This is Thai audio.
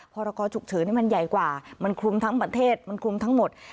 พรกรฉุกเฉินนี่มันใหญ่กว่ามันคลุมทั้งประเทศมันคลุมทั้งหมด